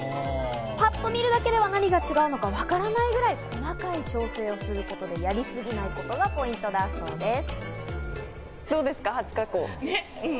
パッと見るだけでは何が違うのかわからないぐらい細かい調整をすることで、やりすぎないことがポイントだそうです。